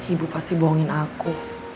ibu pasti bohongin aku